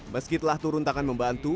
meskipun turun takkan membantu